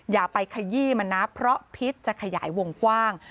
อย่าไปขยี้มันนะเพราะพิษจะขยายวงกว้าง